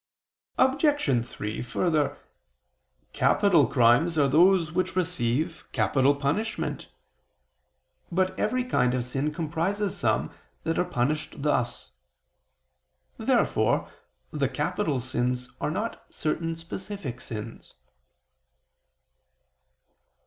Obj. 3: Further, capital crimes are those which receive capital punishment. But every kind of sin comprises some that are punished thus. Therefore the capital sins are not certain specific sins.